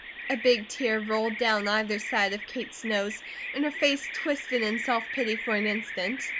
A big tear rolled down either side of Kate's nose and her face twisted in self pity for an instant.